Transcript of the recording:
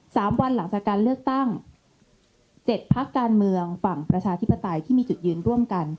สามวันหลังจากการเลือกตั้งเจ็ดพักการเมืองฝั่งประชาธิปไตยที่มีจุดยืนร่วมกัน